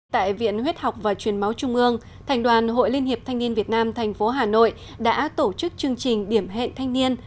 tại viện huyết học và truyền máu trung ương thành đoàn hội liên hiệp thanh niên việt nam thành phố hà nội đã tổ chức chương trình điểm hẹn thanh niên